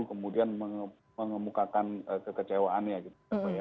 kemudian mengemukakan kekecewaannya gitu